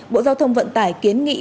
bộ giao thông vận tải kiến nghị